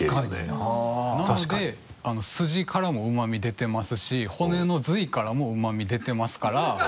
なのでスジからもうま味出てますし骨の髄からもうま味出てますから。